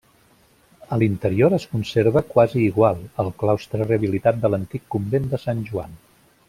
A l'interior es conserva quasi igual, el claustre rehabilitat de l'antic convent de Sant Joan.